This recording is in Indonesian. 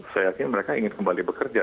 saya yakin mereka ingin kembali bekerja